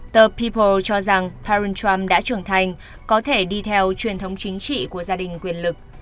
tờ people cho rằng perron trump đã trưởng thành có thể đi theo truyền thống chính trị của gia đình quyền lực